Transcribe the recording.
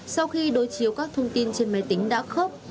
sau khi đối chiếu các thông tin trên máy tính đã khớp